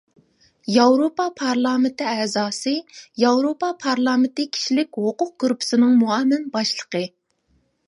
ياۋروپا پارلامېنتى ئەزاسى، ياۋروپا پارلامېنتى كىشىلىك ھوقۇق گۇرۇپپىسىنىڭ مۇئاۋىن باشلىقى.